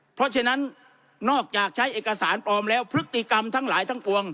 เพราะฉะนั้นนอกจากใช้เอกสารปลอมแล้วพฤติกรรมทั้งหลายทั้งปวง